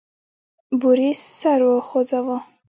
بوریس سر وخوزاوه.